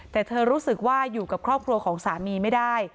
แต่เธอรู้สึกว่าอยู่กับครอบครัวของสามีไม่ได้